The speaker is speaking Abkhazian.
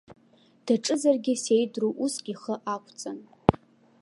Даҿызаргьы сеидру уск ихы ақәҵан.